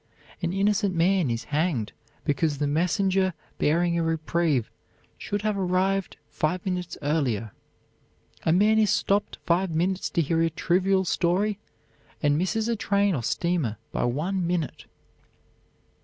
An innocent man is hanged because the messenger bearing a reprieve should have arrived five minutes earlier. A man is stopped five minutes to hear a trivial story and misses a train or steamer by one minute.